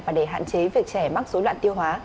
và để hạn chế việc trẻ mắc số loạn tiêu hóa